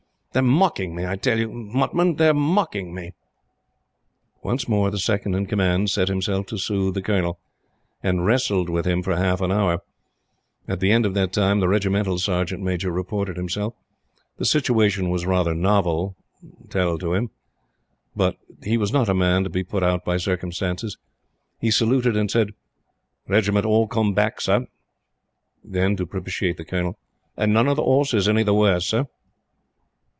They're mocking me, I tell you, Mutman! They're mocking me!" Once more, the Second in Command set himself to sooth the Colonel, and wrestled with him for half an hour. At the end of that time, the Regimental Sergeant Major reported himself. The situation was rather novel tell to him; but he was not a man to be put out by circumstances. He saluted and said: "Regiment all come back, Sir." Then, to propitiate the Colonel: "An' none of the horses any the worse, Sir."